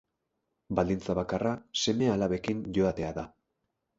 Baldintza bakarra, seme-alabekin joatea da.